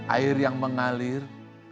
air yang mengalir